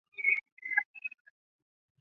同知南院枢密使事。